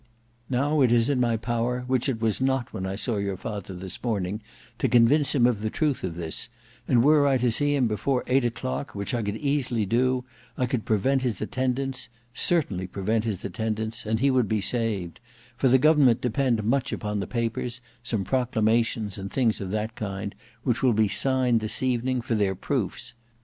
Now it is in my power, which it was not when I saw your father this morning, to convince him of the truth of this, and were I to see him before eight o'clock, which I could easily do, I could prevent his attendance, certainly prevent his attendance, and he would be saved; for the government depend much upon the papers, some proclamations, and things of that kind, which will be signed this evening, for their proofs.